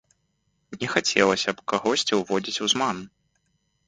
Не хацелася б кагосьці ўводзіць у зман.